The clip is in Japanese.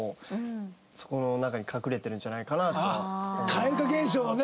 蛙化現象のね